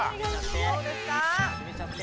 どうですか？